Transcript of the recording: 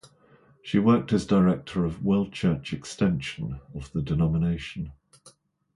She worked as director of World Church Extension of the denomination.